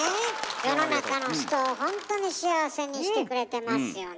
世の中の人をほんとに幸せにしてくれてますよね。